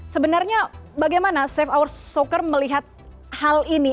sebenarnya bagaimana save our soccer melihat hal ini